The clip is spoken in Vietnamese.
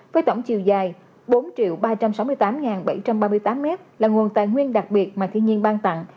với tổng chiều dài bốn ba trăm sáu mươi tám bảy trăm ba mươi tám m là nguồn tài nguyên đặc biệt mà thiên nhiên ban tặng